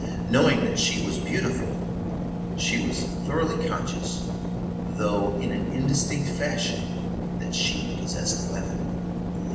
Knowing that she was beautiful, she was thoroughly conscious, though in an indistinct fashion, that she possessed a weapon.